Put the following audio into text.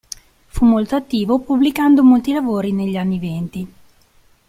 Fu molto attivo, pubblicando molti lavori negli anni venti.